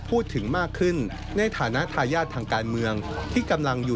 เป็นภารกิจที่มีความเชื่อมกลัว